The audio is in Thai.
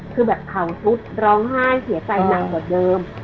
คือแบบเผาซุดร้องไห้เสียใจหนักกว่าเดิม